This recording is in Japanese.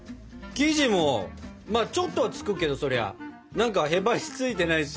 生地もちょっとはつくけどそりゃ何かへばりついてないし。